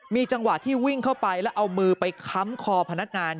มีจังหวะที่วิ่งเข้าไปแล้วเอามือไปค้ำคอพนักงาน